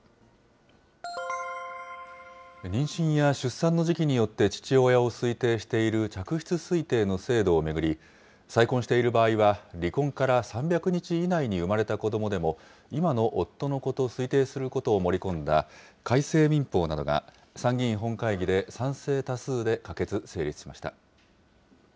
妊娠や出産の時期によって父親を推定している嫡出推定の制度を巡り、再婚している場合は離婚から３００日以内に生まれた子どもでも、今の夫の子と推定することを盛り込んだ改正民法などが参議院本会議で賛成多数で可決・成立しました。